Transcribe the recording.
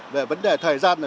về vấn đề thời gian